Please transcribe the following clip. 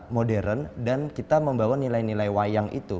modern dan kita membawa nilai nilai wayang itu